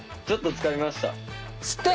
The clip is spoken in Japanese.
ちょっとつかみました。